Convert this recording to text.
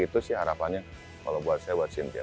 itu sih harapannya kalau buat saya buat sinket